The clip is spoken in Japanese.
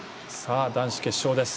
男子決勝です。